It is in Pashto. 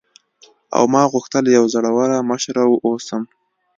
او ما غوښتل یوه زړوره مشره واوسم.